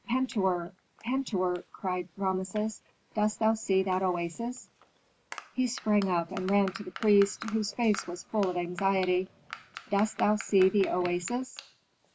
"Pentuer! Pentuer!" cried Rameses. "Dost thou see that oasis?" He sprang up and ran to the priest, whose face was full of anxiety. "Dost thou see the oasis?"